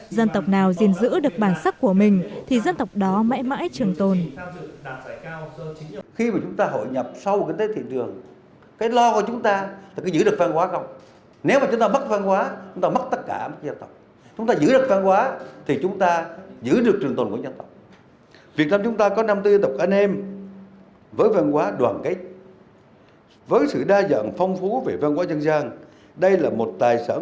dân tộc nào gìn giữ được bản sắc của mình thì dân tộc đó mãi mãi trường tồn